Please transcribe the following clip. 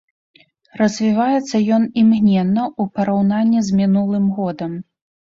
Развіваецца ён імгненна ў параўнанні з мінулым годам.